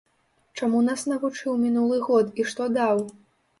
Чаму нас навучыў мінулы год і што даў?